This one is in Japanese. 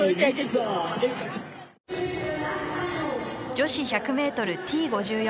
女子１００ｍＴ５４